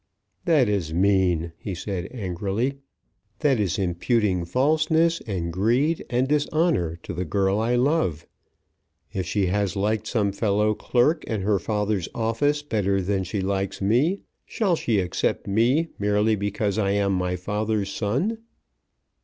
"That is mean," he said, angrily. "That is imputing falseness, and greed, and dishonour to the girl I love. If she has liked some fellow clerk in her father's office better than she likes me, shall she accept me merely because I am my father's son?"